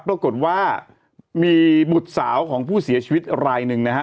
ปรากฏว่ามีบุตรสาวของผู้เสียชีวิตรายหนึ่งนะฮะ